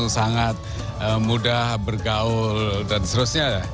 sangat mudah bergaul dan seterusnya